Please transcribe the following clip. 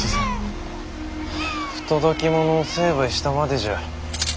不届き者を成敗したまでじゃ。